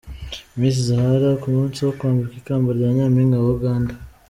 Miss Zahara ku munsi wo kwambikwa ikamba rya Nyampinga wa Uganda.